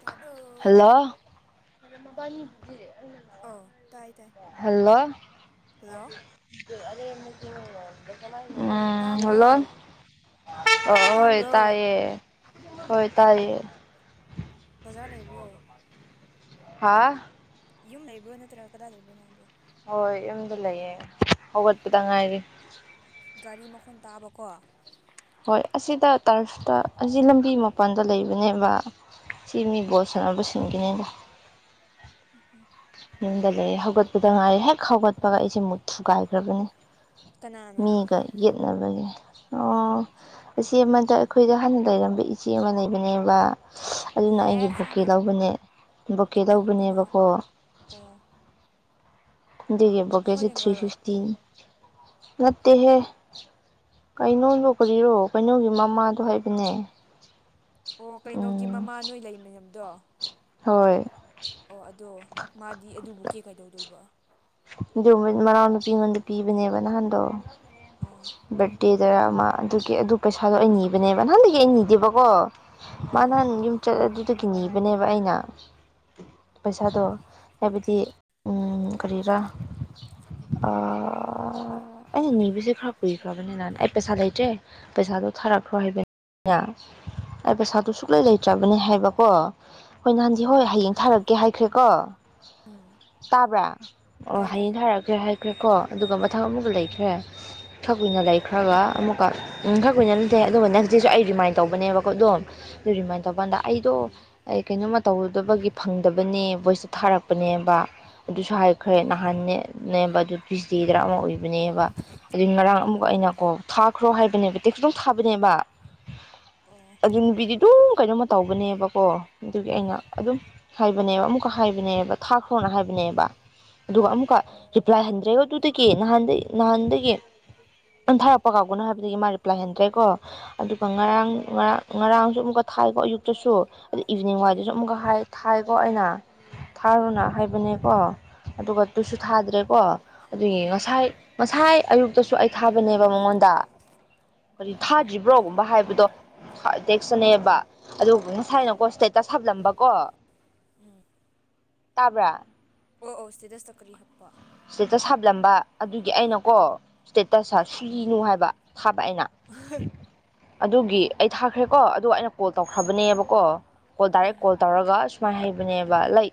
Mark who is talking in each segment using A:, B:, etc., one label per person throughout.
A: ꯇꯥꯕ꯭ꯔꯣ
B: ꯍꯜꯂꯣ
A: ꯑꯧ ꯇꯥꯏ ꯇꯥꯏ
B: ꯍꯜꯂꯣ [unintelligible]
A: ꯍꯜꯂꯣ
B: ꯎꯝ ꯍꯜꯂꯣ
A: ꯇꯥꯕ꯭ꯔꯣ
B: ꯑ ꯍꯣꯏ
A: ꯇꯥꯕ꯭ꯔꯣ
B: ꯇꯥꯏꯌꯦ ꯍꯣꯏ ꯇꯥꯏꯌꯦ
A: ꯕꯖꯥꯔ ꯂꯩꯕ꯭ꯔꯣ
B: ꯍꯥ
A: ꯌꯨꯝ ꯂꯩꯕ꯭ꯔꯣ ꯅꯠꯇ꯭ꯔꯒ ꯀꯗꯥꯏ ꯂꯩꯕ꯭ꯔꯣ ꯅꯪꯕꯣ꯫
B: ꯍꯣꯏ ꯌꯨꯝꯗ ꯂꯩꯌꯦ ꯍꯧꯒꯠꯄꯗ ꯉꯥꯏꯔꯤ꯫
A: ꯒꯥꯔꯤ ꯃꯈꯣꯟ ꯇꯥꯕꯀꯣ꯫
B: ꯍꯣꯏ ꯑꯁꯤꯗ ꯇꯔꯐꯇ ꯑꯁꯤ ꯂꯝꯕꯤ ꯃꯄꯥꯟꯗ ꯂꯩꯕꯅꯦꯕ꯫ ꯁꯤ ꯃꯤ ꯕꯣꯜ ꯁꯥꯟꯅꯕꯁꯤꯡꯒꯤꯅꯤꯗ꯫
A: [unintelligible]
B: ꯌꯨꯝꯗ ꯂꯩꯔꯦ ꯍꯧꯒꯠꯄꯗ ꯉꯥꯏꯔꯦ ꯍꯦꯛ ꯍꯧꯒꯠꯄꯒ ꯑꯩꯁꯦ ꯃꯨꯠ ꯊꯨꯒꯥꯏꯈ꯭ꯔꯕꯅꯤ꯫
A: ꯀꯅꯥꯅ
B: ꯃꯤꯒ ꯌꯦꯠꯅꯕꯒꯦ ꯑꯣ꯫ ꯏꯆꯦ ꯑꯃꯗ ꯑꯩꯈꯣꯏꯗ ꯍꯥꯟꯅ ꯂꯩꯔꯝꯕ ꯏꯆꯦ ꯑꯃ ꯂꯩꯕꯅꯦꯕ꯫ ꯑꯗꯨꯅ ꯑꯩꯒꯤ
A: ꯑꯦ
B: ꯕꯨꯀꯤ
A: ꯈꯪꯉꯦ
B: ꯂꯧꯕꯅꯦ ꯕꯨꯀꯤ
A: ꯑꯦ ꯀꯅꯥ
B: ꯂꯧꯕꯅꯦꯕꯀꯣ꯫
A: ꯑꯣ꯫
B: [unintelligible]
A: ꯑꯩꯈꯣꯏ
B: ꯕꯨꯀꯦꯁꯦꯢ ꯊ꯭ꯔꯤ
A: ꯂꯦꯡꯒꯥꯔꯣ
B: ꯐꯤꯐꯇꯤꯅꯤ ꯅꯠꯇꯦꯍꯦ꯫ ꯀꯩꯅꯣꯗꯣ ꯀꯔꯤꯔꯣ ꯀꯩꯅꯣꯒꯤ ꯃꯃꯥꯗꯣ ꯍꯥꯏꯕꯅꯦ
A: ꯑꯣ ꯀꯩꯅꯣꯒꯤ
B: ꯎꯝ
A: ꯃꯃꯥ ꯅꯣꯏ ꯂꯩꯃꯤꯟꯅꯝꯗꯣ꯫
B: ꯍꯣꯏ꯫
A: ꯑꯣ ꯑꯗꯣ ꯃꯥꯗꯤ ꯑꯗꯨꯕꯨ ꯀꯤ ꯀꯩꯗꯧꯗꯣꯏꯕ꯫
B: ꯃꯅꯥꯎ ꯅꯨꯄꯤ ꯑꯩꯉꯣꯟꯗ ꯄꯤꯕꯅꯦꯕ ꯅꯍꯥꯟꯗꯣ
A: ꯑꯣ
B: ꯕꯔꯗꯦ꯫ [unintelligible] ꯑꯃ ꯑꯗꯨꯒꯤ ꯑꯗꯨ ꯄꯩꯁꯥꯗꯣ ꯑꯩꯅ ꯅꯤꯕꯅꯦꯕ ꯅꯍꯥꯟꯗꯒꯤ ꯑꯩ ꯅꯤꯗꯦꯕꯀꯣ ꯃꯥ ꯅꯍꯥꯟ
A: ꯑꯣ
B: ꯌꯨꯝ ꯆꯠ ꯑꯗꯨꯗꯒꯤ ꯅꯤꯕꯅꯦꯕ ꯑꯩꯅ꯫ ꯄꯩꯁꯥꯗꯣ ꯍꯥꯏꯕꯗꯤ ꯎꯝ ꯀꯔꯤꯔꯥ꯫ ꯑ ꯑꯦꯅ ꯅꯤꯕꯁꯦ ꯈꯔ ꯀꯨꯏꯈꯔꯕꯅꯦꯅ ꯑꯩ ꯄꯩꯁꯥ ꯂꯩꯇ꯭ꯔꯦ꯫ ꯄꯩꯁꯥꯗꯣ ꯊꯔꯛꯈ꯭ꯔꯣ ꯍꯥꯏꯕ꯫ [unintelligible] ꯑꯩ ꯄꯩꯁꯥꯗꯣ ꯁꯨꯛꯂꯩ ꯂꯩꯇ꯭ꯔꯕꯅꯦ ꯍꯥꯏꯕꯀꯣ꯫ ꯍꯣꯏ ꯅꯍꯥꯟꯗꯤ ꯍꯣꯏ ꯍꯌꯦꯡ ꯊꯥꯔꯛꯀꯦ ꯍꯥꯏꯈ꯭ꯔꯦꯀꯣ
A: ꯎꯝ
B: ꯇꯥꯕ꯭ꯔꯥ? ꯑꯣ
A: ꯇꯥꯏ ꯇꯥꯏ
B: ꯍꯌꯦꯡ ꯊꯥꯔꯛꯈ꯭ꯔꯦ ꯍꯥꯏꯈ꯭ꯔꯦꯀꯣ ꯑꯗꯨꯒ ꯃꯊꯪ ꯑꯃꯨꯒ ꯂꯩꯈ꯭ꯔꯦ꯫ ꯊꯛ ꯀꯨꯏꯅ
A: ꯎꯝ
B: ꯂꯩꯈ꯭ꯔꯒ ꯑꯃꯨꯛ ꯀꯣ ꯎꯝ ꯈꯔ ꯀꯨꯏꯅ ꯂꯠꯇꯦ ꯑꯗꯨꯒ ꯅꯦꯛꯁ ꯗꯦꯁꯨ ꯑꯩ ꯔꯤꯃꯥꯏꯟ ꯇꯧꯕꯅꯦꯕꯀꯣ ꯑꯗꯨꯝ ꯑꯗꯨ ꯔꯤꯃꯥꯏꯟ ꯇꯧꯕꯀꯥꯟꯗ ꯑꯩꯗꯣ
A: ꯎꯝ
B: ꯑꯩ ꯀꯩꯅꯣꯝꯃ ꯇꯧꯗꯕꯒꯤ ꯐꯪꯗꯕꯅꯦ ꯚꯣꯏꯁꯇ ꯊꯥꯔꯛꯄꯅꯦꯕ ꯑꯗꯨꯁꯨ ꯍꯥꯏ ꯈꯔ
A: ꯎꯝ
B: ꯅꯍꯥꯟ-ꯅꯦ-ꯅꯦꯕ ꯑꯗꯨ ꯐꯤꯁ ꯗꯦꯗꯔ ꯑꯃ ꯑꯣꯏꯕꯅꯦꯕ꯫ ꯑꯗꯨꯏ ꯉꯔꯥꯡ ꯑꯃꯨꯛ ꯑꯩꯅ ꯀꯣ ꯊꯥꯈ꯭ꯔꯣ ꯍꯥꯏꯕꯅꯦꯕꯦ ꯇꯤꯈꯇꯪ ꯊꯥꯕꯅꯦꯕ
A: ꯑꯣ
B: ꯌꯨꯡꯕꯤꯗꯤ ꯑꯗꯨꯝ ꯀꯩꯅꯣꯝꯃ ꯇꯧꯕꯒꯅꯦꯕꯀꯣ ꯑꯗꯨꯒꯤ ꯑꯩꯅ ꯑꯗꯨꯝ ꯍꯥꯏꯕꯅꯦꯕ ꯑꯃꯨꯛꯀ ꯍꯥꯏꯕꯅꯦꯕ ꯊꯥꯈ꯭ꯔꯣꯅ ꯍꯥꯏꯕꯅꯦꯕ ꯑꯗꯨꯒ ꯑꯃꯨꯛꯀ ꯔꯤꯄ꯭ꯂꯥꯏ ꯍꯟꯗ꯭ꯔꯦꯕ ꯗꯨꯇꯀꯤ ꯅꯍꯥꯟꯗꯩ ꯅꯍꯥꯟꯗꯒꯤ ꯅꯪ ꯊꯥꯔꯛꯄ ꯀꯥꯎꯒꯅꯣ ꯍꯥꯏꯕꯗꯒꯤ ꯃꯥ ꯔꯤꯄ꯭ꯂꯥꯏ ꯍꯦꯟꯗ꯭ꯔꯦꯀꯣ ꯑꯗꯨꯒ ꯉꯔꯥꯡ
A: ꯎꯝ
B: ꯉꯔꯥꯡ ꯉꯔꯥꯡꯁꯨ ꯑꯃꯨꯛꯀ ꯊꯥꯏꯀꯣ ꯑꯌꯨꯛꯇꯁꯨ ꯑꯗ ꯏꯚꯤꯅꯤꯡ ꯋꯥꯏꯗꯨꯁꯨ
A: ꯎꯝ
B: ꯑꯃꯨꯛꯀ ꯍꯥꯏ ꯊꯥꯏꯀꯣ ꯑꯩꯅ ꯊꯥꯔꯨꯅ ꯍꯥꯏꯕꯅꯦꯀꯣ ꯑꯗꯨꯒ ꯇꯨꯁꯨ ꯊꯥꯗ꯭ꯔꯦꯀꯣ ꯑꯗꯨꯏ
A: ꯎꯝ
B: ꯉꯁꯥꯏ ꯉꯁꯥꯏ ꯑꯌꯨꯛꯇꯁꯨ ꯑꯩ ꯊꯥꯕꯅꯦꯕ ꯃꯉꯣꯟꯗ ꯀꯔꯤ
A: ꯎꯝ
B: ꯊꯥꯗ꯭ꯔꯤꯕ꯭ꯔꯣꯒꯨꯝꯕ ꯍꯥꯏꯕꯗꯣ ꯈꯥꯏꯇꯦꯛ ꯁꯅꯦꯕ ꯑꯗꯨꯕꯨ
A: ꯑꯣ
B: ꯉꯁꯥꯏꯅꯀꯣ ꯏꯁꯇꯦꯇꯁ ꯍꯥꯞꯂꯝꯕꯀꯣ
A: ꯎꯝ
B: ꯇꯥꯕ꯭ꯔꯥ
A: ꯑꯣ ꯑꯣ ꯁ꯭ꯇꯦꯇꯁꯇ ꯀꯔꯤ ꯍꯥꯞꯄ
B: ꯏꯁꯇꯦꯇꯁ ꯍꯥꯞꯂꯝꯕ ꯑꯗꯨꯒꯤ ꯑꯩꯅꯀꯣ ꯏꯁꯇꯦꯇꯁ ꯁꯨꯒꯤꯅꯨ ꯍꯥꯏꯕ ꯐꯥꯄ ꯑꯩꯅ ꯑꯗꯨꯒꯤ ꯑꯩ ꯊꯥꯈ꯭ꯔꯦꯀꯣ ꯑꯗꯨ ꯑꯩꯅ ꯀꯣꯜ ꯇꯧꯈ꯭ꯔꯕꯅꯦꯕꯀꯣ ꯀꯣꯜ ꯗꯥꯏꯔꯦꯛ
A: ꯎꯝ
B: ꯀꯣꯜ ꯇꯧꯔꯒ ꯁꯨꯃꯥꯏꯅ ꯍꯥꯏꯕꯅꯦꯕ ꯂꯩ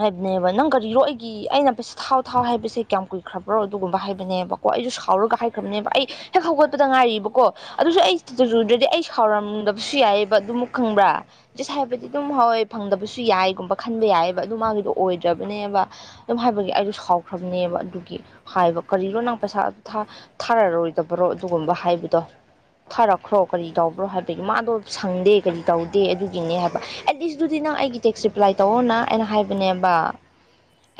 B: ꯍꯥꯏꯕꯅꯦꯕ ꯅꯪ ꯀꯔꯤꯔꯣ ꯑꯩꯒꯤ ꯑꯩꯅ ꯄꯩꯁ ꯊꯥꯎ ꯊꯥꯎ ꯍꯥꯏꯕꯁꯦ ꯀꯌꯥꯝ ꯀꯨꯏꯈ꯭ꯔꯕ꯭ꯔꯣ ꯑꯗꯨꯒꯨꯝꯕ ꯍꯥꯏꯕꯅꯦꯕꯀꯣ ꯑꯩꯁꯨ ꯁꯥꯎꯔꯒ ꯍꯥꯏꯈ꯭ꯔꯕꯅꯦꯕ ꯑꯩ ꯍꯦꯛ ꯍꯧꯒꯠꯄꯗ ꯉꯥꯏꯔꯤꯕꯀꯣ ꯑꯗꯨꯁꯨ ꯑꯩ
A: ꯎꯝ
B: ꯆꯨꯔꯨꯗ꯭ꯔꯗꯤ ꯑꯩ ꯁꯥꯎꯔꯝꯗꯕꯁꯨ ꯌꯥꯏꯑꯕ ꯑꯗꯨꯃꯛ ꯈꯪꯕ꯭ꯔ ꯖꯁ ꯍꯥꯏꯕꯗꯤ ꯑꯗꯨꯝ
A: ꯎꯝ
B: ꯍꯣꯏ ꯐꯪꯗꯕꯁꯨ ꯌꯥꯏꯒꯨꯝꯕ ꯈꯟꯕ ꯌꯥꯏꯑꯕ ꯑꯗꯨ ꯃꯥꯒꯤꯗꯣ ꯑꯣꯏꯗ꯭ꯔꯕꯅꯦꯕ ꯑꯗꯨꯝ ꯍꯥꯏꯕꯒꯤ ꯑꯩꯁꯨ ꯁꯥꯎꯈ꯭ꯔꯝꯅꯦꯕ ꯑꯗꯨꯒꯤ ꯍꯥꯏꯕ ꯀꯔꯤꯅꯣ ꯅꯪ ꯄꯩꯁꯥ ꯊꯥ ꯊꯥꯔꯔꯣꯏꯗꯕꯔꯣ ꯑꯗꯨꯒꯨꯝꯕ ꯍꯥꯏꯕꯗꯣ ꯊꯔꯛꯈ꯭ꯔꯣ ꯀꯔꯤ
A: ꯎꯝ
B: ꯇꯧꯕ꯭ꯔꯣ ꯍꯥꯏꯕꯒꯤ ꯃꯥꯗꯣ ꯁꯪꯗꯦ ꯀꯔꯤ ꯇꯧꯗꯦ ꯑꯗꯨꯒꯤꯅꯦ ꯍꯥꯏꯕ ꯑꯦꯠꯂꯤꯁꯇꯨꯗꯤ ꯅꯪ ꯑꯩꯒꯤ ꯇꯦꯛꯁ ꯔꯤꯄ꯭ꯂꯥꯏ ꯇꯧꯑꯣꯅ ꯑꯩꯅ ꯍꯥꯏꯕꯅꯦꯕ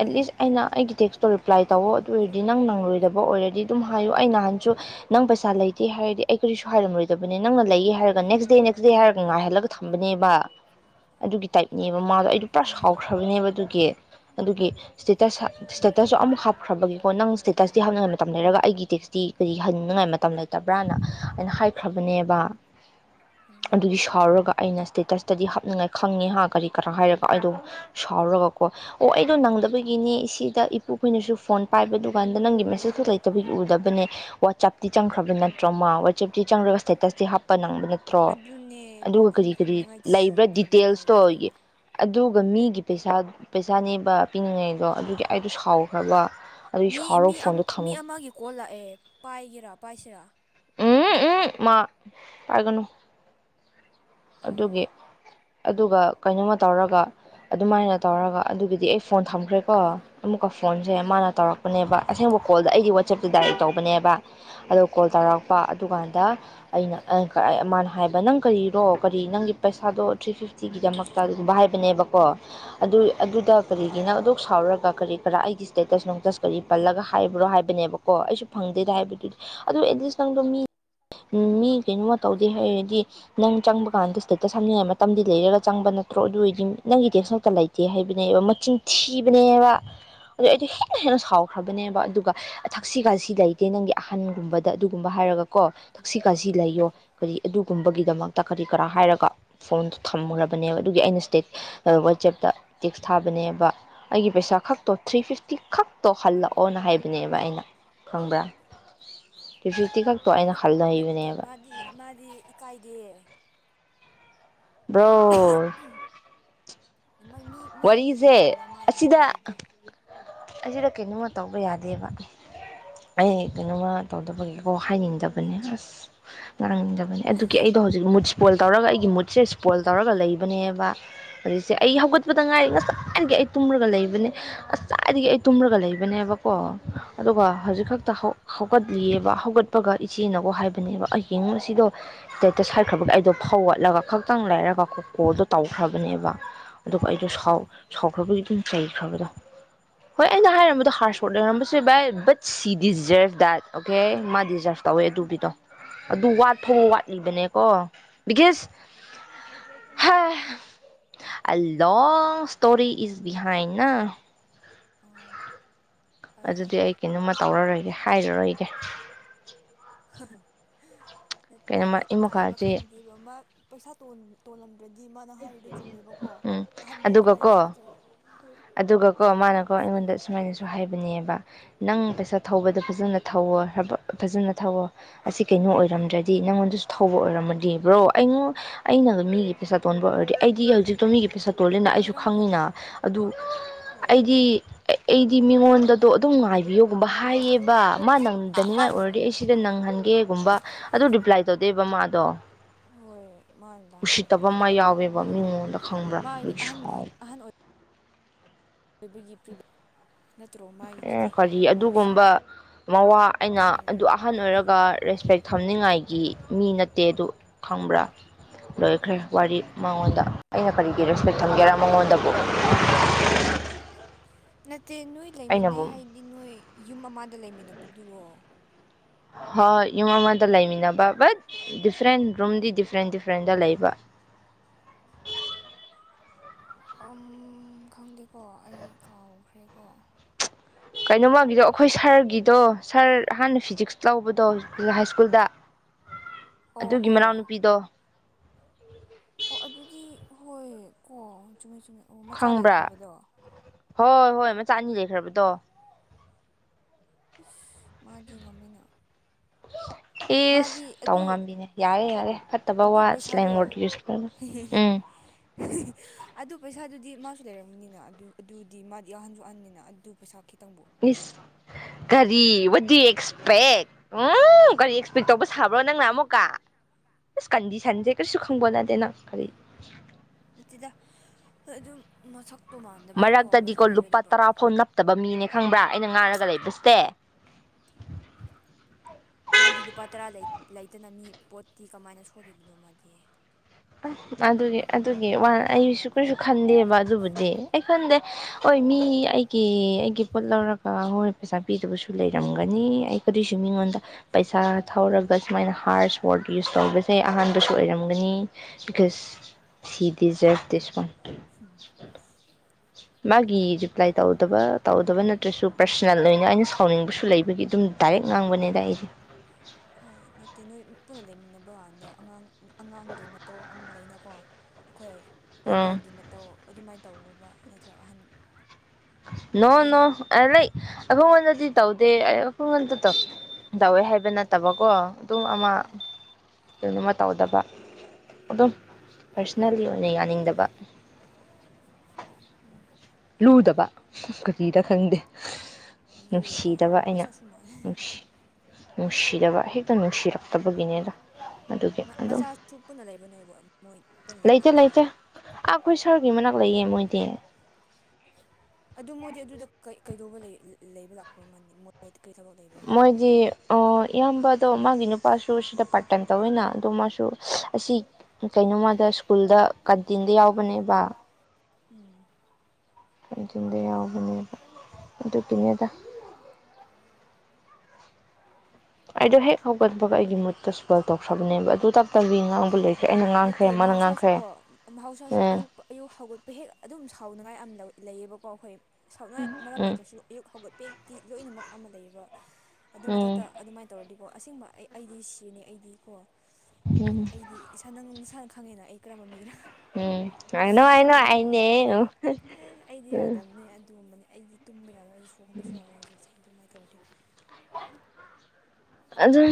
A: ꯎꯝ
B: ꯑꯩꯅ ꯑꯩꯒꯤ ꯇꯦꯛꯁꯇꯣ ꯔꯤꯄ꯭ꯂꯥꯏ ꯇꯧ‌‌‍‍‌ꯑꯣ ꯑꯗꯨ ꯑꯣꯏꯔꯗꯤ ꯅꯪ ꯅꯪꯂꯣꯏꯗꯕ ꯑꯣꯏꯔꯗꯤ ꯑꯗꯨꯝ ꯍꯥꯏꯌꯨ ꯑꯩ ꯅꯍꯥꯟꯁꯨ ꯅꯪ ꯄꯩꯁꯥ ꯂꯩꯇꯦ ꯍꯥꯏꯔꯗꯤ ꯑꯩ ꯀꯔꯤꯁꯨ ꯍꯥꯏꯔꯝꯂꯣꯏꯗꯕꯅꯤ ꯅꯪꯅ ꯂꯩꯌꯦ ꯍꯥꯏꯔꯒ ꯅꯦꯛꯁ ꯗꯦ ꯅꯦꯛꯁ ꯗꯦ ꯍꯥꯏꯔꯒ ꯉꯥꯏꯍꯜꯂꯒ ꯊꯝꯕꯅꯦꯕ ꯑꯗꯨꯒꯤ ꯇꯥꯏꯞꯅꯦꯕ ꯃꯥꯗꯣ ꯑꯩꯗꯨ ꯄꯨꯔꯥ
A: ꯎꯝ
B: ꯁꯥꯎꯈ꯭ꯔꯕꯅꯦꯕ ꯑꯗꯨꯒꯤ ꯑꯗꯨꯒꯤ ꯁ꯭ꯇꯦꯇꯁ
A: ꯎꯝ
B: ꯁ꯭ꯇꯦꯇꯁꯁꯨ ꯑꯃꯨꯛ ꯍꯥꯞꯈ꯭ꯔꯕꯒꯤ ꯑꯣ ꯅꯪ ꯁ꯭ꯇꯦꯇꯁꯇꯤ ꯍꯥꯞꯅꯉꯥꯏ ꯃꯇꯝ ꯂꯩꯔꯒ ꯑꯩꯒꯤ ꯇꯦꯛꯁꯇꯤ ꯀꯔꯤ ꯍꯟꯅꯤꯡꯉꯥꯏ ꯃꯇꯝ ꯂꯩꯇꯕ꯭ꯔꯥꯅ ꯑꯩꯅ ꯍꯥꯏ ꯈ꯭ꯔꯕꯅꯦꯕ
A: ꯎꯝ
B: ꯗꯨꯒꯤ ꯁꯥꯎꯔꯒ ꯑꯩꯅ ꯁ꯭ꯇꯦꯇꯁꯇꯗꯤ ꯍꯥꯞꯅꯤꯡꯉꯥꯏ ꯈꯪꯉꯦ ꯍꯥ ꯀꯔꯤ ꯀꯔꯥ ꯍꯥꯏꯔꯒ ꯑꯩꯗꯣ ꯁꯥꯎꯔꯒꯀꯣ ꯑꯣ ꯑꯩꯗꯣ ꯅꯪꯗꯕꯩ ꯒꯤꯅꯦ ꯏꯁꯤꯗ ꯏꯄꯨꯈꯣꯏꯅꯁꯨ ꯐꯣꯟ ꯄꯥꯏꯕꯗꯨꯀꯥꯟꯗ ꯅꯪꯒꯤ ꯃꯦꯁꯦꯁꯇꯨ ꯂꯩꯇꯕꯒꯤ ꯎꯗꯕꯅꯦ ꯋꯥꯆꯞꯇꯤ ꯆꯪꯈ꯭ꯔꯕ ꯅꯠꯇ꯭ꯔꯣ ꯃꯥ ꯋꯥꯆꯞꯇꯤ ꯆꯪꯔꯒ ꯁ꯭ꯇꯦꯇꯁꯇꯤ ꯍꯥꯞꯄ ꯅꯪꯕ ꯅꯠ ꯇ꯭ꯔꯣ
A: ꯑꯗꯨꯅꯦ
B: ꯑꯗꯨꯒ
A: ꯄꯥꯎꯈꯨꯝ
B: ꯀꯔꯤ ꯀꯔꯤ
A: ꯈꯨꯝꯅꯤꯉꯥꯏ
B: ꯂꯩꯕ꯭ꯔꯥ
A: ꯊꯤꯕꯅꯦꯕ ꯃꯥꯏꯗꯣ
B: ꯗꯤꯇꯦꯜꯁꯇꯣ ꯑꯗꯨꯒ ꯃꯤꯒꯤ ꯄꯩꯁꯥ ꯄꯩꯁꯥꯅꯦꯕ ꯄꯤꯅꯤꯡꯉꯥꯏꯗꯣ ꯑꯗꯨꯒꯤ ꯑꯩꯗꯣ ꯁꯥꯎꯈ꯭ꯔꯕ ꯑꯗꯨꯒꯤ
A: ꯃꯤ
B: ꯁꯥꯎꯔꯒ
A: ꯃꯤ ꯑꯝ
B: ꯐꯣꯟꯗꯣ
A: ꯃꯤ
B: ꯊꯝ
A: ꯑꯃꯒꯤ ꯀꯣꯜ ꯂꯥꯛꯑꯦ ꯄꯥꯏꯒꯦꯔꯥ ꯄꯥꯏꯁꯤꯔꯥ
B: ꯎꯝ ꯎꯝ ꯃꯥ ꯄꯥꯏꯒꯅꯨ
A: ꯑꯣ
B: ꯑꯗꯨꯒꯤ ꯑꯗꯨꯒ ꯀꯩꯅꯣꯃ ꯇꯧꯔꯒ ꯑꯗꯨꯃꯥꯏꯅ ꯇꯧꯔꯒ ꯑꯗꯨꯒꯤꯗꯤ ꯑꯩ ꯐꯣꯟ ꯊꯝ ꯀꯣ ꯑꯃꯨꯛꯀ ꯐꯣꯟꯁꯦ
A: ꯎꯝ
B: ꯃꯥꯅ ꯇꯧꯔꯛꯄꯅꯦꯕ ꯑꯁꯦꯡꯕ ꯀꯣꯜꯗ ꯑꯩꯗꯤ ꯋꯥꯆꯞꯇ ꯗꯥꯏꯔꯦꯛ ꯇꯧꯕꯅꯦꯕ ꯑꯗꯣ ꯀꯣꯜ
A: ꯎꯝ
B: ꯇꯧꯔꯛꯄ ꯑꯗꯨꯀꯥꯟꯗ ꯑꯩꯅ ꯑ ꯀꯛꯑꯦ ꯃꯥꯅ ꯍꯥꯏꯕ ꯅꯪ ꯀꯔꯤꯔꯣ ꯀꯔꯤ ꯅꯪꯒꯤ ꯄꯩꯁꯥꯗꯣ ꯊ꯭ꯔꯤ ꯐꯤꯞ ꯇꯤꯒꯤꯗꯃꯛꯇ ꯑꯗꯨꯗ ꯕꯥꯏꯕꯅꯦꯕꯀꯣ ꯑꯗꯨ ꯑꯗꯨꯗ
A: ꯎꯝ
B: ꯀꯔꯤꯒꯤꯅ ꯑꯗꯨꯛ ꯁꯥꯎꯔꯒ ꯀꯔꯤ ꯀꯔꯥ ꯑꯩꯒꯤ ꯁ꯭ꯇꯦꯇꯁ ꯅꯨꯡꯇꯁ ꯀꯔꯤ ꯄꯜꯂꯒ ꯍꯥꯏꯕ꯭ꯔꯣ ꯍꯥꯏꯕꯅꯦꯕꯀꯣ ꯑꯩꯁꯨ ꯐꯪꯗꯦꯗ ꯍꯥꯏꯕꯗꯨꯗꯤ ꯑꯗꯨ ꯑꯦꯠꯂꯤꯁ ꯅꯪꯗꯣ ꯃꯤ ꯃꯤ ꯀꯩꯅꯣꯃ ꯇꯧꯗꯦ ꯍꯥꯏꯔꯗꯤ ꯅꯪ ꯆꯪꯕ ꯀꯥꯟꯗ ꯁ꯭ꯇꯦꯇꯁ ꯍꯞꯅꯤꯡꯉꯥꯏ ꯃꯇꯝꯗꯤ ꯂꯩꯔꯒ ꯆꯪꯕ ꯅꯠꯇ꯭ꯔꯣ ꯑꯗꯨ ꯑꯣꯏꯗꯤ ꯅꯪꯒꯤ ꯇꯦꯛꯁꯃꯛꯇ ꯂꯩ ꯠꯇꯦ ꯍꯥꯏꯕꯅꯦꯕ ꯃꯆꯤꯟ ꯊꯤꯕꯅꯦꯕ ꯑꯗꯨ ꯑꯩꯗꯣ ꯍꯦꯟꯅ ꯍꯦꯟꯅ ꯁꯥꯎꯈ꯭ꯔꯕꯅꯦꯕ ꯑꯗꯨꯒ ꯊꯛꯁꯤ ꯀꯥꯁꯤ ꯂꯩꯇꯦ ꯅꯪꯒꯤ ꯑꯍꯟꯒꯨꯝꯕꯗ ꯑꯗꯨꯒꯨꯝꯕ ꯍꯥꯏꯔꯒ ꯀꯣ ꯊꯛꯁꯤ ꯈꯥꯁꯤ ꯂꯩꯌꯣ
A: ꯎꯝ
B: ꯀꯔꯤ ꯑꯗꯨꯒꯨꯝꯕꯒꯤꯗꯃꯛꯇ ꯀꯔꯤ ꯀꯔꯥ ꯍꯥꯏꯔꯒ ꯐꯣꯟꯗꯨ ꯊꯝꯃꯔꯕ ꯅꯦꯕ ꯑꯗꯨꯒꯤ ꯑꯩꯅ ꯁ꯭ꯇꯦꯠ ꯋꯥꯆꯦꯞꯇ ꯇꯦꯛꯁ ꯊꯥꯕꯅꯦꯕ ꯑꯩꯒꯤ ꯄꯩꯁꯥ ꯈꯛꯇꯣ ꯊ꯭ꯔꯤ ꯐꯤꯐꯇꯤ ꯈꯛꯇꯣ ꯍꯜꯂꯛꯑꯣꯅ ꯍꯥꯏꯕꯅꯦꯕ ꯑꯩꯅ ꯈꯪꯕ꯭ꯔꯥ ꯇꯨ ꯐꯤꯐꯇꯤ ꯈꯛꯇꯣ ꯑꯩꯅ ꯈꯜꯂ
A: ꯅꯠꯇꯦ
B: ꯍꯩꯕꯅꯦꯕ
A: ꯃꯥꯗꯤ ꯃꯥꯗꯤ ꯏꯀꯥꯏꯗꯦ
B: ꯗꯣ
A: ꯃꯣꯏ ꯃꯤ ꯃꯤꯒꯤ ꯄꯩꯁꯥ
B: ꯋꯥꯔꯤꯁꯦ
A: ꯇꯣꯜꯂꯒ ꯃꯥꯅ ꯑꯗꯨ
B: ꯑꯁꯤꯗ
A: ꯍꯥꯏꯔꯤꯗꯣ
B: ꯑꯁꯤꯗ ꯀꯩꯅꯣꯝꯃ ꯇꯧꯕ ꯌꯥꯗꯦꯕ ꯑꯩ ꯀꯩꯅꯣꯝꯃ ꯇꯧꯗꯕꯒꯤꯀꯣ ꯍꯥꯏꯅꯤꯡꯗꯕꯅꯦ ꯑꯁ ꯉꯥꯡꯅꯤꯡꯗꯕ ꯑꯗꯨꯒꯤ ꯑꯩꯗꯣ ꯍꯧꯖꯤꯛ ꯃꯨꯠ ꯁ꯭ꯄꯣꯜ ꯇꯧꯔꯒ ꯑꯩꯒꯤ ꯃꯨꯠꯁꯦ ꯏꯁ꯭ꯄꯣꯜ ꯇꯧꯔꯒ ꯂꯩꯕꯅꯦꯕ ꯍꯧꯁꯦ ꯑꯩ
A: ꯎꯝ
B: ꯍꯧꯒꯠꯄꯗ ꯉꯥꯏꯔꯤ ꯉꯁ ꯉꯥꯏꯅꯒꯤ ꯑꯩ ꯇꯨꯝꯃꯒ ꯂꯩꯕꯅꯦ ꯑꯁꯥꯏꯏꯗꯒꯤ ꯑꯩ ꯇꯨꯝꯔꯒ ꯂꯩꯕꯅꯦꯕꯀꯣ ꯑꯗꯨꯒ ꯍꯧꯖꯤꯛ
A: ꯎꯝ
B: ꯈꯛꯇ ꯍꯧꯒꯠꯂꯤꯑꯕ ꯍꯧꯒꯠ ꯀꯞꯄꯒ ꯏꯆꯦꯅꯒꯣ ꯍꯥꯏꯕꯅꯦꯕ ꯑꯩꯒꯤꯡ ꯑꯁꯤꯗꯣ ꯇꯇ ꯁꯥꯏꯠꯈ꯭ꯔꯕꯗ ꯑꯩꯗꯣ ꯐꯧꯒꯠꯂꯒ ꯈꯛꯇꯪ ꯂꯩꯔꯒ ꯀꯣꯀꯣꯗꯣ ꯇꯧꯈ꯭ꯔꯕꯅꯦꯕ ꯑꯗꯨꯒ ꯑꯩꯗꯣꯥꯎ
A: ꯍꯣꯏ
B: ꯁꯥꯎꯈ꯭ꯔꯕꯒꯤ ꯑꯗꯨꯝ ꯆꯩꯈ꯭ꯔꯕꯗꯣ ꯍꯣꯏ ꯑꯩꯅ ꯍꯥꯏꯔꯝꯕꯗꯣ ꯍꯥꯔ ꯁꯣꯠ ꯂꯩꯔꯝꯕꯁꯨ ꯌꯥ ꯕꯥꯏ ꯕꯠ ꯁꯤ ꯗꯤꯖꯔꯞ ꯗꯦꯠ ꯑꯣꯀꯦ ꯃꯥ ꯗꯤꯖꯥꯔꯞ ꯇꯧꯋꯦ ꯑꯗꯨꯒꯤꯗꯣ ꯑꯗꯨ ꯋꯥꯠꯊꯣꯡ
A: ꯍꯣꯏ
B: ꯋꯥꯠꯂꯤꯕꯅꯦꯀꯣ ꯀꯥꯁ ꯍ ꯑ ꯂꯣꯡ ꯏꯁꯇꯣꯔꯤ ꯏꯖ ꯕꯤꯍꯥꯏꯟ [inaudible]
A: ꯑꯥ
B: ꯑꯗꯨꯗꯤ ꯑꯩ ꯀꯩꯅꯣꯝꯃ ꯇꯧꯔꯔꯣꯏꯒꯦ ꯍꯥꯏꯔꯔꯣꯏꯒꯦ ꯀꯩꯅꯣꯝꯃ
A: ꯅꯠꯇꯦꯗ ꯏꯀꯥꯏꯕ
B: ꯑꯃꯨꯛꯀꯥꯁꯦ
A: ꯈꯪꯗꯦꯕ ꯑꯃ ꯄꯩꯁꯥ ꯇꯣꯟ ꯇꯣꯜꯂꯝꯗ꯭ꯔꯗꯤ ꯃꯥꯅ ꯍꯥꯏꯔꯤꯗꯣ ꯆꯨꯝꯃꯦꯕꯀꯣ
B: ꯎꯝ
A: ꯑꯍꯟꯗ
B: ꯑꯗꯨꯒ
A: ꯑꯗꯨꯃꯥꯏꯅ ꯆꯥꯒꯠ ꯆꯥꯒꯠ ꯍꯣꯢ
B: ꯑꯗꯨꯒꯀꯣ ꯀꯣ ꯃꯥꯅꯀꯣ ꯑꯩꯉꯣꯟꯗ ꯁꯨꯃꯥꯏꯅꯁꯨ ꯍꯥꯏꯕꯅꯦꯕ ꯅꯪ ꯄꯩꯁꯥ ꯊꯧꯕꯗꯣ ꯐꯖꯅ ꯊꯧꯋꯣ ꯐꯖꯅ ꯊꯧꯋꯣ ꯑꯁꯤ ꯀꯩꯅꯣ ꯑꯣꯏꯔꯝꯗ꯭ꯔꯗꯤ ꯅꯪꯉꯣꯟꯗꯁꯨ ꯊꯧꯕ ꯑꯣꯏꯔꯝꯃꯗꯤꯕ꯭ꯔꯣ ꯑꯩꯉꯣꯟ ꯑꯩꯅꯒ ꯃꯤꯒꯤ ꯄꯩꯁꯥ ꯇꯣꯟꯕ ꯑꯣꯏꯔꯗꯤ ꯑꯩꯗꯤ ꯍꯧꯖꯤꯛꯇꯣ ꯃꯤꯒꯤ ꯄꯩꯁꯥ ꯇꯣꯜꯂꯦꯅ ꯑꯩꯁꯨ ꯈꯪꯉꯤꯅ
A: ꯄꯤꯔꯝꯈ꯭ꯔꯅꯤ
B: ꯑꯗꯨ
A: ꯍꯣꯏ
B: ꯑꯩꯗꯤ ꯑꯦ ꯑꯩꯗꯤ ꯃꯤꯉꯣꯟꯗꯗꯣ ꯑꯗꯨꯝ ꯉꯥꯏꯕꯤꯌꯣꯒꯨꯝꯕ ꯍꯥꯏꯌꯦꯕ ꯃꯥ ꯅꯪꯗꯅꯤꯡꯉꯥꯏ ꯑꯣꯏꯔꯗꯤ ꯑꯩꯁ ꯁꯤꯗ ꯅꯪꯍꯟꯒꯦꯒꯨꯝꯕ ꯑꯗꯨ ꯔꯤꯄ꯭ꯂꯥꯏ ꯇꯧꯗꯦꯕ ꯃꯥꯗꯣ
A: ꯍꯣꯏ ꯃꯥꯅꯦ ꯃꯥ ꯑꯗꯨ [inaudible]
B: ꯑꯕ ꯑꯃ ꯌꯥꯎꯋꯦꯕ ꯃꯤ ꯃꯉꯣꯟꯗ ꯈꯪꯕ꯭ꯔꯥ ꯑꯗꯨꯒꯤ ꯁꯥꯎ
A: ꯑꯍꯥꯟ ꯑꯣꯏꯕꯒꯤ ꯄ
B: ꯑꯦ ꯀꯔꯤ ꯑꯗꯨꯒꯨꯝꯕ ꯃꯋꯥ ꯑꯩꯅ
A: ꯎꯁꯤꯠꯇꯕꯅꯦ
B: ꯑꯗꯨ ꯑꯍꯟ
A: ꯑꯗꯨꯗꯤ
B: ꯑꯣꯏꯔꯒ ꯔꯦꯁꯄꯦꯛ ꯊꯝꯅꯤꯉꯥꯏꯒꯤ ꯃꯤ ꯅꯠꯇꯦ ꯑꯗꯨ ꯈꯪꯕ꯭ꯔꯥ ꯂꯣꯏꯈ꯭ꯔꯦ ꯋꯥꯔꯤ ꯃꯉꯣꯟꯗ ꯑꯩꯅ ꯀꯔꯤꯒꯤ ꯔꯦꯁꯄꯦꯛ ꯊꯝꯒꯦꯔꯥ ꯃꯉꯣꯟꯗꯕꯨ
A: ꯅꯠꯇꯦ ꯅꯣꯏ ꯂꯩꯃꯤꯟꯅꯩ
B: ꯑꯩꯅꯕꯨ
A: ꯍꯥꯏ ꯍꯥꯏꯗꯤ ꯅꯣꯏ ꯌꯨꯝ ꯑꯃꯗ ꯂꯩꯃꯤꯟꯅꯕꯗꯨꯔꯣ
B: ꯍꯣꯏ ꯌꯨꯝ ꯑꯃꯗ ꯂꯩꯃꯤꯟꯅꯕ ꯕꯠ ꯗꯤꯐ꯭ꯔꯦꯟ ꯔꯨꯝꯗꯤ ꯗꯤꯐ꯭ꯔꯦꯟ ꯗꯤꯐ꯭ꯔꯦꯟꯗ ꯂꯩꯕ
A: ꯎꯝ ꯈꯪꯗꯦꯀꯣ ꯑꯩ ꯀꯥꯎꯈ꯭ꯔꯦꯀꯣ
B: ꯀꯩꯅꯣ ꯃꯥꯒꯤꯗꯣ ꯑꯩꯈꯣꯏ ꯁꯥꯔꯒꯤꯗꯣ ꯁꯥꯔ ꯍꯥꯟꯅ ꯐꯤꯖꯤꯛꯁ ꯂꯥꯎꯕꯗꯣ ꯍꯥꯏ ꯁ꯭ꯀꯨꯜꯗ
A: ꯑꯣ
B: ꯑꯗꯨꯒꯤ
A: ꯑꯣ
B: ꯃꯅꯥꯎꯅꯨꯄꯤꯗꯣ
A: ꯑꯣ ꯑꯗꯨꯗꯤ ꯍꯣꯏ ꯀꯣ ꯆꯨꯝꯃꯦ ꯆꯨꯝꯃꯦ ꯑꯣ ꯃꯆꯥ
B: ꯈꯪꯕ꯭ꯔꯥ
A: ꯂꯩꯈ꯭ꯔꯕꯗꯣ
B: ꯍꯣꯏ ꯍꯣꯏ ꯃꯆꯥ ꯑꯅꯤ ꯂꯩꯈ꯭ꯔꯕꯗꯣ
A: ꯃꯥꯗꯤ ꯉꯝꯃꯤꯅ
B: ꯑ [inaudible] ꯑꯦꯁ ꯇꯧ
A: ꯑꯗꯨ
B: ꯉꯝꯃꯤꯅꯦ ꯌꯥꯔꯦ ꯌꯥꯔꯦ ꯐꯠꯇꯕ
A: ꯑꯗꯨ
B: ꯋꯥ ꯁꯂꯥꯏ
A: ꯄꯩꯁꯥꯗꯣ
B: ꯕꯣꯔꯗ ꯌꯨꯁ ꯇꯧ ꯎꯝ
A: ꯑꯗꯨ ꯄꯩꯁꯥꯗꯨꯗꯤ ꯃꯥꯁꯨ ꯂꯩꯔꯝꯅꯤꯅ ꯑꯗꯨ ꯑꯗꯨꯗꯤ ꯃꯥꯗꯤ ꯌꯥꯍꯟꯁꯨ ꯑꯍꯟꯅꯤꯅ ꯑꯗꯨ ꯄꯩꯁꯥ ꯈꯤꯇꯪꯕꯨ
B: ꯀꯔꯤꯗꯤ [inaudible] ꯑꯦꯛꯁꯄꯦꯛ ꯎꯝ ꯀꯔꯤ ꯑꯦꯛꯁꯄꯦꯛ ꯇꯧꯕ ꯁꯥꯕ꯭ꯔꯣ ꯅꯪꯅ ꯑꯃꯨꯛꯀ ꯢꯁ ꯀꯟꯗꯤ ꯁꯟꯖꯦ ꯀꯔꯤꯁꯨ ꯈꯪꯕ ꯅꯠꯇꯦ ꯅꯪ ꯀꯔꯤ
A: ꯅꯠꯇꯦꯗ ꯍꯣꯏ ꯑꯗꯨꯝ ꯃꯁꯛꯇꯣ ꯃꯥꯟꯗꯕ ꯀꯣ ꯕꯩꯁꯥ ꯂꯩꯔꯣꯏꯗꯕ
B: ꯐꯠꯇꯕ ꯃꯤꯅꯦ ꯈꯪꯕ꯭ꯔꯥ ꯑꯩꯅ ꯉꯥꯡꯔꯒ ꯂꯩꯕꯁꯦ
A: ꯃꯥꯗꯤ ꯂꯨꯄꯥ ꯇꯔꯥ ꯂꯩꯇꯅ ꯃꯤ ꯄꯣꯠꯇꯤ ꯀꯃꯥꯏꯅ ꯁꯣꯜꯂꯤꯕꯅꯣ ꯃꯥꯗꯤ
B: ꯑ ꯑꯗꯨꯒꯤ ꯑꯗꯨꯒꯤ ꯋꯥ ꯑꯩꯁꯨ ꯀꯔꯤꯁꯨ ꯈꯟꯗꯦꯕ ꯑꯗꯨꯕꯨꯗꯤ ꯈꯟꯗꯦ ꯍꯣꯏ ꯃꯤ ꯑꯩꯒꯤ ꯑꯩꯒꯤ ꯄꯣꯠ ꯂꯧꯔꯒ ꯃꯣꯏ ꯄꯩꯁꯥ ꯄꯤꯗꯕꯁꯨ ꯂꯩꯔꯝꯒꯅꯤ ꯑꯩ ꯀꯔꯤꯁꯨ ꯃꯤꯉꯣꯟꯗ ꯄꯩꯁꯥ ꯊꯧꯔꯒ ꯁꯨꯃꯥꯏꯅ ꯍꯥꯔꯁ ꯋꯥꯔꯗ ꯌꯨꯁ ꯇꯧꯕꯁꯦ ꯑꯍꯥꯟꯕꯁꯨ ꯑꯣꯏꯔꯝꯒꯅꯤ ꯀꯥꯁ ꯊꯗꯤꯖ ꯇꯁꯄ
A: ꯎ
B: [inaudible]
A: [inaudible]
B: ꯃꯥꯒꯤ ꯔꯤꯄ꯭ꯂꯥꯏ ꯇꯧꯗꯕ ꯇꯧꯗꯕ ꯅꯠꯇ꯭ꯔꯁꯨ ꯄꯔꯁꯣꯅꯦꯜ ꯑꯣꯏꯅ ꯑꯩꯅ ꯁꯥꯎꯅꯤꯡꯕꯁꯨ ꯂꯩꯕꯒꯤ ꯑꯗꯨꯝ ꯗꯥꯏꯔꯦꯛ ꯉꯥꯡꯕꯅꯦꯗ ꯑꯩꯁꯨ
A: ꯍꯣꯏ ꯅꯠꯇꯦ ꯅꯣꯏ ꯄꯨꯟꯅ ꯂꯩꯃꯤꯟꯅꯕ ꯀꯥꯟꯗ ꯑꯉꯥꯡ ꯑꯉꯥꯡꯒꯤ ꯃꯇꯧ ꯑꯃ ꯂꯩꯅꯀꯣ ꯑꯩꯈꯣꯏ
B: ꯎꯝ
A: ꯂꯦꯡꯒꯥꯥꯛꯒꯤ ꯃꯇꯧ ꯑꯗꯨꯃꯥꯏꯅ ꯇꯧꯅꯨꯕ ꯅꯠꯇ꯭ꯔꯒ ꯑꯍꯟ
B: ꯅꯣ ꯅꯣ
A: ꯂꯩꯅ
B: ꯂꯩ [inaudible] ꯑꯩꯈꯉꯣꯟꯗꯗꯤ ꯇꯧꯗꯦ ꯑꯩ ꯑꯩꯈꯣꯏꯉꯣꯟꯗ ꯇꯧꯋꯦ ꯍꯥꯏꯕ ꯅꯠꯇꯕꯀꯣ ꯑꯗꯨ ꯑꯃ
A: ꯎꯝ
B: ꯑꯗꯨꯃ ꯇꯧꯗꯕ ꯑꯗꯨꯝ ꯄꯔꯁꯅꯦꯜꯂꯤ ꯑꯣꯏꯅ ꯌꯥꯅꯤꯡꯗꯕ
A: ꯎꯝ
B: ꯂꯨꯗꯕ ꯁꯪꯁꯀꯨꯇꯤꯗ ꯈꯪꯗꯦ
A: ꯂꯨꯗꯕ
B: ꯅꯨꯡꯁꯤꯗꯕ ꯑꯩꯅ
A: ꯃꯁꯛꯁꯨ ꯃꯥꯟ
B: ꯅꯨꯡꯁꯤ ꯅꯨꯡꯁꯤꯕ ꯍꯦꯛꯇ ꯅꯨꯡꯁꯤꯔꯛꯇꯕꯒꯤꯅꯦꯅ
A: ꯃꯆꯥꯁꯨ ꯄꯨꯟꯅ ꯂꯩꯕ ꯅꯣꯏꯕꯣ ꯃꯣꯏ ꯄꯨꯟꯅ ꯂꯩꯕ ꯉꯥꯟꯅꯣꯏ
B: ꯑꯈꯣꯏꯁꯔ ꯀꯃ ꯂ ꯂꯩꯦ ꯃꯣꯏꯗꯤ
A: ꯑꯗꯨ ꯃꯣꯏꯗꯤ ꯑꯗꯨꯗ ꯀꯩꯗꯧꯕ ꯂꯩꯕ ꯂꯥꯛꯄ ꯃꯥꯜꯦ ꯃꯣꯏ ꯀꯔꯤ ꯊꯕꯛ ꯂꯩꯕ
B: ꯃꯣꯏꯗꯤ ꯑꯣ ꯏꯌꯥꯝꯕ ꯑꯗꯣ ꯃꯥꯒꯤ ꯅꯨꯄꯥꯁꯨ ꯁꯤꯗ ꯄꯥꯔꯠ ꯇꯥꯏꯝ ꯇꯧꯋꯤꯅ ꯑꯗꯣ ꯃꯥꯁꯨ ꯑꯁꯤ ꯀꯩꯅꯣꯃꯗ ꯁ꯭ꯀꯨꯜꯗ ꯀꯥꯇꯤꯟꯗ ꯌꯥꯎꯕꯅꯦꯕ
A: ꯎꯝ
B: ꯇꯩ ꯌꯥꯥꯎꯕ ꯇꯄꯤꯅꯦꯗ ꯑꯩꯗꯣ ꯍꯦꯛ ꯍꯧꯒꯠꯄꯒ ꯑꯩꯒꯤ ꯃꯨꯠꯇꯁꯨꯜ ꯇꯧꯈ꯭ꯔꯕꯅꯦꯕ ꯑꯗꯨ ꯇꯇꯕꯤ ꯉꯥꯡꯕ ꯂꯩ
A: ꯅꯠꯇꯦ ꯃꯍꯧꯁꯥꯁꯨ ꯀꯣ ꯃꯍꯧꯁꯥꯁꯨ
B: ꯎꯝ
A: ꯑꯌꯨꯛ ꯑꯌꯨꯛ ꯍꯧꯒꯠꯄ ꯍꯦꯛ ꯑꯗꯨꯝ ꯁꯥꯎꯅꯉꯥꯏ ꯌꯥꯝ ꯂꯩꯌꯦꯕꯀꯣ ꯑꯩꯈꯣꯏ ꯁꯥꯎꯅꯤꯡꯉꯥꯏ ꯃꯔꯝ
B: ꯎꯝ
A: ꯂꯩꯇ꯭ꯔꯁꯨ ꯑꯌꯨꯛ ꯍꯧꯒꯠꯄꯛꯇꯤ ꯂꯣꯏꯅꯃꯛ ꯑꯃ ꯂꯩꯌꯦꯕ ꯑꯗꯨ ꯃꯊꯛꯇ
B: ꯎꯝ
A: ꯑꯗꯨꯃꯥꯏꯅ ꯇꯧꯔꯗꯤꯀꯣ ꯑꯁꯦꯡꯕ ꯑꯩ ꯑꯩꯗꯤ ꯁꯤꯅꯤ ꯑꯩꯗꯤꯀꯣ ꯑꯩꯗꯤ ꯏꯁꯥ ꯅꯪ ꯅꯁꯥꯅ ꯈꯪꯉꯦꯅ ꯑꯩ ꯀꯔꯝꯕ ꯃꯤꯔ
B: ꯎꯝ ꯎꯝ ꯑꯥꯏꯅꯣ ꯑꯥꯏꯅꯣ
A: ꯑꯩꯗꯤ
B: ꯑꯥꯏꯅꯦ
A: ꯌꯥꯗꯕꯅꯦ ꯑꯦ ꯑꯩꯗꯤ ꯌꯥꯗꯝꯕꯅꯦ ꯑꯗꯨꯒꯨꯝꯕꯅꯦ ꯑꯩꯗꯤ ꯇꯨꯝꯕ ꯌꯥꯎꯔꯣꯏ ꯑꯩ ꯁꯣꯛꯍꯝꯕꯁꯨ ꯌꯥꯎꯔꯣꯏ ꯍꯧꯖꯤꯛꯁꯦ ꯑꯗꯨꯃꯥꯏꯅ ꯇꯧꯔꯗꯤ
B: ꯑꯗꯨ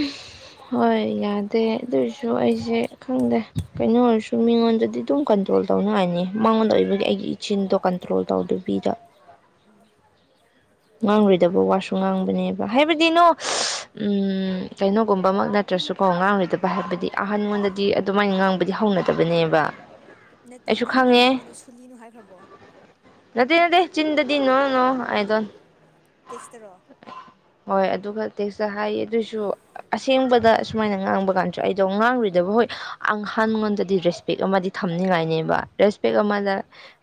B: ꯍꯣꯏ ꯌꯥꯗꯦ ꯑꯗꯨꯔꯁꯨ ꯑꯩꯁꯦ ꯈꯪꯗꯦ ꯀꯩꯅꯣ ꯑꯣꯏꯔꯁꯨ ꯃꯤꯉꯣꯟꯗꯗꯤ ꯑꯗꯨꯝ ꯀꯟꯇ꯭ꯔꯣꯜ ꯇꯧꯅꯉꯥꯏꯅꯤ ꯃꯉꯣꯟꯗ ꯑꯣꯏꯕꯒꯤ ꯑꯩꯒꯤ ꯏꯆꯤꯟꯗꯣ ꯀꯟꯇ꯭ꯔꯣꯜ ꯇꯧꯗꯕꯤꯗ
A: ꯎꯝ
B: ꯉꯥꯡꯂꯣꯏꯗꯕ ꯋꯥꯁꯨ ꯉꯥꯡꯕꯅꯦꯕ ꯍꯥꯏꯕꯗꯤ ꯅꯣ ꯎꯝ ꯀꯩꯅꯣꯒꯨꯝꯕꯃꯛ ꯅ ꯅꯠꯇ꯭ꯔꯁꯨ ꯀꯣ ꯉꯥꯡꯂꯣꯏꯗꯕ ꯍꯥꯏꯕꯗꯤ ꯑꯍꯟꯉꯣꯟꯗꯗꯤ ꯑꯗꯨꯃꯥꯏꯅ ꯉꯥꯡꯕꯗꯤ ꯍꯧꯅꯗꯕꯅꯦꯕ
A: ꯅꯠꯇꯦ
B: ꯑꯩꯁꯨ
A: ꯅꯪꯅ
B: ꯈꯪꯉꯦ
A: ꯃꯉꯣꯟꯗ ꯁꯨꯂꯤꯅꯣ ꯍꯥꯏꯈ꯭ꯔꯕꯣ
B: ꯅꯠꯇꯦ ꯅꯠꯇꯦ ꯆꯤꯟꯗꯗꯤ ꯅꯣꯅꯣ ꯏ ꯗꯣꯟ
A: ꯇꯦꯁꯇꯔꯣ
B: ꯍꯣꯏ ꯑꯗꯨꯒ ꯇꯦꯁꯇ ꯍꯥꯏꯌꯦ ꯑꯗꯨꯏꯁꯨ ꯑꯁꯦꯡꯕꯗ ꯁꯨꯃꯥꯏꯅ ꯉꯥꯡꯕ ꯀꯥꯟꯁꯨ ꯑꯩꯗꯣ ꯉꯥꯡꯔꯣꯏꯗꯕ ꯍꯣꯏ ꯑꯪꯍꯟꯉꯣꯟꯗꯗꯤ ꯔꯦꯁ ꯄꯦꯛ ꯑꯃꯗꯤ ꯊꯝꯅꯤꯡꯉꯥꯏꯅꯦꯕ ꯔꯦꯁꯄꯦꯛ ꯑꯃꯅ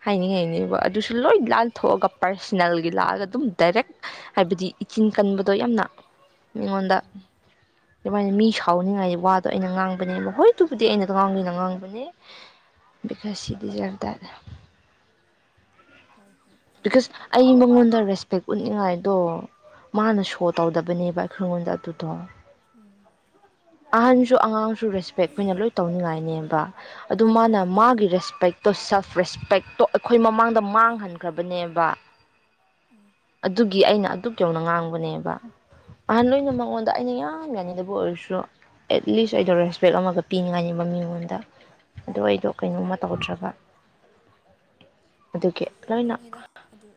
B: ꯍꯥꯏꯅꯤꯡ ꯍꯥꯏꯅꯦꯕ ꯑꯗꯨꯁꯨ ꯂꯣꯏ ꯂꯥꯥꯟꯊꯣꯛꯑꯒ ꯄꯔꯁꯅꯦꯜꯒꯤ ꯂꯥꯛꯑꯒ ꯑꯗꯨꯝ ꯗꯥꯏꯔꯦꯛ ꯍꯥꯏꯕꯗꯤ ꯏꯆꯤꯟ ꯀꯟꯕꯗꯣ ꯌꯥꯝꯅ
A: ꯎꯝ
B: ꯃꯤꯉꯣꯟꯗ
A: ꯎꯝ ꯎꯝ
B: ꯑꯗꯨꯃꯥꯏꯅ ꯃꯤ ꯁꯥꯎꯅꯤꯡꯉꯥꯏꯗꯤ ꯋꯥꯗꯣ ꯑꯩꯅ ꯉꯥꯡꯕꯅꯦ ꯃꯈꯣꯏꯗꯨꯕꯨꯗꯤ ꯑꯩꯅꯗ ꯉꯥꯡꯗꯅ ꯉꯥꯡꯕꯅꯦ ꯕꯦꯔꯥꯁꯤꯗꯤ ꯌꯥꯝꯇꯥꯠꯂ
A: ꯍꯣꯏ ꯍꯣꯏ ꯌꯥꯏ
B: ꯕꯤꯀꯁ ꯑꯩ ꯃꯉꯣꯟꯗ ꯔꯦꯁꯄꯦꯛ ꯎꯠꯅꯤꯡꯉꯥꯏꯗꯣ ꯃꯥꯅ ꯁꯣ ꯇꯧꯗꯕꯅꯦꯕ ꯑꯩꯉꯣꯟꯗ ꯑꯗꯨꯗꯣ
A: ꯎꯝ
B: ꯑꯍꯟꯖꯨ ꯑꯉꯥꯡꯖꯨ ꯔꯦꯁꯄꯦꯛ ꯑꯩꯈꯣꯏꯅ ꯂꯣꯏ ꯇꯧꯅꯤꯡꯉꯥꯏꯅꯦꯕ ꯑꯗꯨ ꯃꯥꯅ
A: ꯑꯗꯨꯅꯦ ꯑꯗꯨꯅꯦ
B: ꯃꯥꯒꯤ ꯔꯦꯁꯄꯦꯛ ꯇꯣ ꯁꯦꯜꯄ ꯔꯦꯁꯄꯦꯛꯇꯣ ꯑꯩꯈꯣꯏ ꯃꯃꯥꯡꯗ ꯃꯥꯡꯍꯟꯈ꯭ꯔꯕꯅꯦꯕ
A: ꯎꯝ
B: ꯑꯗꯨꯒꯤ ꯑꯩꯅ ꯑꯗꯨꯛ ꯌꯧꯅ ꯉꯥꯡꯕꯅꯦꯕ ꯑꯍꯟ ꯅꯣꯏꯅ ꯃꯉꯣꯟꯗ ꯑꯩꯅ ꯌꯥꯝ ꯌꯥꯅꯤꯡꯗꯕ ꯑꯣꯏꯔꯁꯨ ꯑꯦꯠꯂꯤꯁ ꯑꯩꯗꯣ ꯔꯦꯁꯄꯦꯛ ꯑꯃꯒ ꯄꯤꯅꯤꯡꯉꯥꯏꯅꯤꯕ ꯃꯤꯉꯣꯟꯗ ꯑꯗꯣ ꯑꯩꯗꯣ ꯀꯩꯅꯣꯝꯃ ꯇꯧꯗ꯭ꯔꯒ ꯑꯗꯨꯒꯤ ꯂꯣꯏꯅ
A: ꯈꯪꯉꯤꯗ ꯑꯗꯨ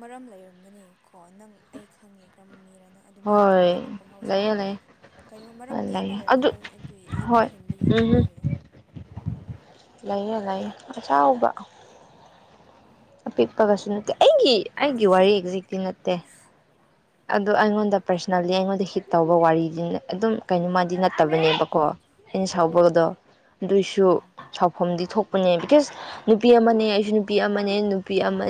A: ꯃꯔꯝ ꯂꯩꯔꯝꯒꯅꯤ ꯀꯣ ꯅꯪ ꯑꯩ ꯈꯪꯉꯦ ꯀꯔꯝꯕ ꯃꯤꯔꯅ ꯑꯗꯨꯃꯥꯏꯅ
B: ꯍꯣꯏ
A: ꯇꯧꯗꯦꯕ ꯀꯣ
B: ꯂꯩꯌꯦ
A: ꯃꯍꯧꯁꯥ ꯍꯣꯏ꯫
B: ꯂꯩꯌꯦ
A: ꯀꯩꯅꯣ
B: ꯍꯣꯏ
A: ꯃꯔꯝꯗꯤ ꯑꯃ
B: ꯂꯩꯌꯦ ꯑꯗꯨ
A: ꯂꯩꯔꯝꯒꯅꯤ ꯑꯗꯨꯒꯤ ꯂꯤꯃꯤꯠ
B: ꯍꯣꯏ
A: ꯍꯦꯟꯕꯒꯤꯅꯦ
B: ꯎꯝꯍꯝ
A: ꯃꯥꯒꯤꯗꯣ꯫
B: ꯂꯩꯌꯦ ꯂꯩꯌꯦ ꯑꯆꯥꯎꯕ꯫ ꯑꯄꯤꯛꯄꯒꯁꯨ ꯅꯠꯇꯦ ꯑꯩꯒꯤ ꯑꯩꯒꯤ ꯋꯥꯔꯤ ꯑꯦꯛꯖꯦꯛꯇꯤ ꯅꯠꯇꯦ꯫
A: ꯎꯝ
B: ꯑꯗꯣ ꯑꯩꯉꯣꯟꯗ ꯄꯔꯁꯅꯦꯜꯂꯤ ꯑꯩꯉꯣꯟꯗ ꯍꯤꯠ ꯇꯧꯕ ꯋꯥꯔꯤꯗꯤꯅ ꯑꯗꯨꯝ ꯀꯩꯅꯣꯃꯗꯤ ꯅꯠꯇꯕꯅꯦꯕꯀꯣ꯫ ꯑꯩꯅ
A: ꯎꯝ
B: ꯁꯥꯎꯕꯒꯗꯣ ꯑꯗꯨꯏꯁꯨ꯫
A: ꯎꯝ
B: ꯁꯥꯎꯐꯝꯗꯤ ꯊꯣꯛꯄꯅꯦ ꯕꯤꯀꯁ ꯅꯨꯄꯤ ꯑꯃꯅꯦ ꯑꯩꯁꯨ ꯅꯨꯄꯤ ꯑꯃꯅꯦ ꯅꯨꯄꯤ ꯑꯃ